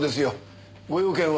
ご用件は？